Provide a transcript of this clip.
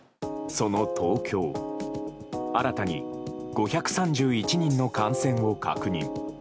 その東京、新たに５３１人の感染を確認。